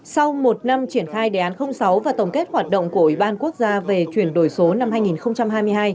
sau một năm triển khai đề án sáu và tổng kết hoạt động của ủy ban quốc gia về chuyển đổi số năm hai nghìn hai mươi hai